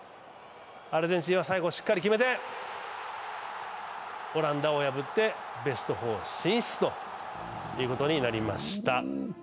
アルゼンチンは最後、しっかり決めてオランダを破ってベスト４進出ということになりました。